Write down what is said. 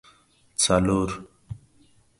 څلور